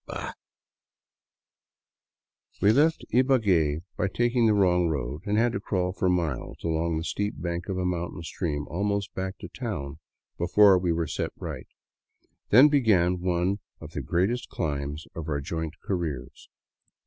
Bah !" We left Ibague by taking the wrong road and had to crawl for miles along the steep bank of a mountain stream almost back to town before we were set right. Then began one of the greatest climbs of our joint careers.